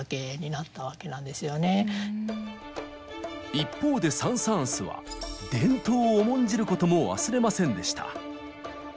一方でサン・サーンスは伝統を重んじることも忘れませんでした。